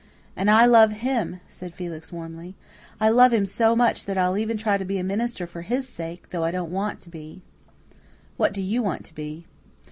"And I love him," said Felix warmly. "I love him so much that I'll even try to be a minister for his sake, though I don't want to be." "What do you want to be?"